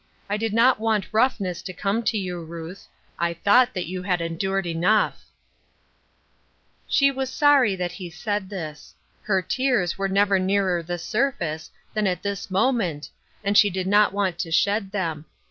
I did not want roughness to come to you, Ruth. I thought that you had endured enough. 284 Ruth Ur Sidneys Crosses. She was sorry that he said this. Her teara were never nearer the surface than at this mo ment, and she did not want to shed them.